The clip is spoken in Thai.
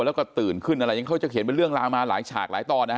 แล้วก็ตื่นขึ้นอะไรยังเขาจะเขียนเป็นเรื่องราวมาหลายฉากหลายตอนนะฮะ